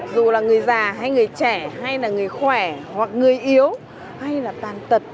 dù là người già hay người trẻ hay là người khỏe hoặc người yếu hay là tàn tật